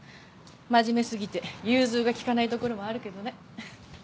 真面目すぎて融通が利かないところもあるけどね。